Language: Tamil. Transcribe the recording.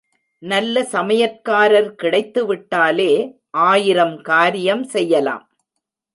நல்ல சமையற்காரர் கிடைத்துவிட்டாலே ஆயிரம் காரியம் செய்யலாம்.